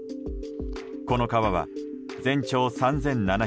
この川は、全長３７００ｋｍ。